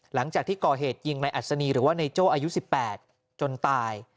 หลังจากที่ก่อเหตุยิงในอัศนีหรือว่านายโจ้อายุ๑๘จนตาย